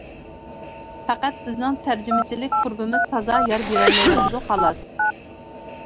پەقەت بىزنىڭ تەرجىمىچىلىك قۇربىمىز تازا يار بېرەلمەيۋاتىدۇ، خالاس.